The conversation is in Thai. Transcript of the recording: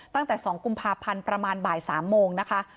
ตั้งแต่๒กุมภาพันธ์ประมาณบ่าย๓โมงนะคะ